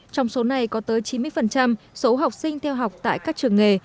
trong số này có tới chín mươi số học sinh theo học tại các trường nghề